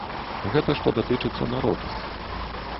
Гэта што датычыцца народу.